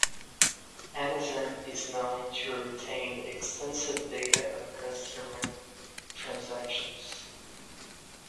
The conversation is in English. Amazon is known to retain extensive data on customer transactions.